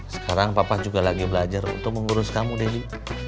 sekarang papa juga lagi belajar untuk mengurus kamu deddy